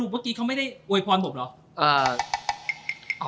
มองเตะไม่ได้โวยควนภพเหรอ